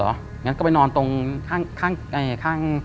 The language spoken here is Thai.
ก็ไปนอนฟุกไม่จังนั้นก็ไปนอนตรงข้าง